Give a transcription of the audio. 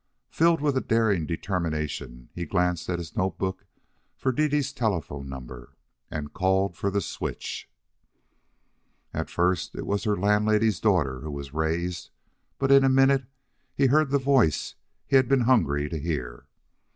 Filled with a daring determination, he glanced at his note book for Dede's telephone number, and called for the switch. At first it was her landlady's daughter who was raised, but in a minute he heard the voice he had been hungry to hear.